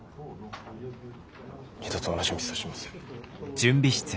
二度と同じミスはしません。